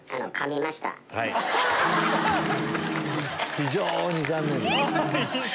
非常に残念です。